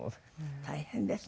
大変ですね。